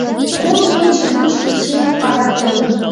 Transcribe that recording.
Кум кече гыч Русинов адак толын.